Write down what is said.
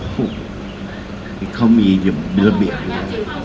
ก็คงมีอย่างเดี๋ยวมันเป็นแบบนี้